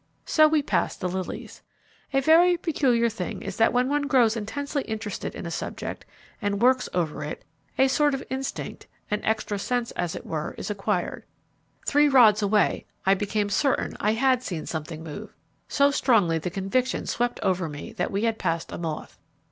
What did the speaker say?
So we passed the lilies. A very peculiar thing is that when one grows intensely interested in a subject, and works over it, a sort of instinct, an extra sense as it were, is acquired. Three rods away, I became certain I had seen something move, so strongly the conviction swept over me that we had passed a moth.